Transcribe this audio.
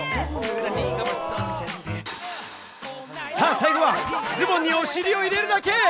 最後はズボンにお尻を入れるだけ！